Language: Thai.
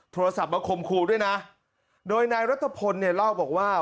โทรศัพท์มาคมครูด้วยนะโดยนายรัฐพลเนี่ยเล่าบอกว่า